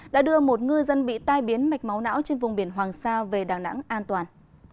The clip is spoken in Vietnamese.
đã đưa một ngư dân bị tai biến mạch máu não trên vùng biển hoàng sa về đà nẵng an toàn